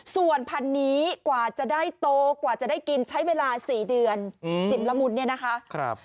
ส่วนพันนี้กว่าจะได้โตกว่าจะได้กินใช้เวลา๔เดือนจิ่มละมุนเนี่ยนะคะ